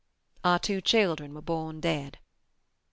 Our two children were born dead.